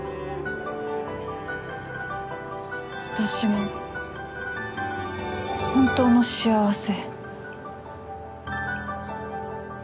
私の本当の幸せ。